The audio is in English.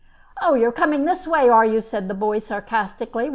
"Oh, you're coming this way, are you?" said the boy sarcastically.